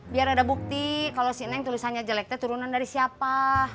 biar ada bukti kalau si neng tulisannya jeleknya turunan dari siapa